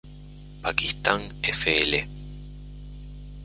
Pakistan; Fl.